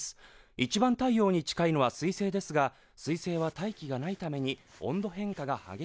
いちばん太陽に近いのは水星ですが水星は大気がないために温度変化が激しい。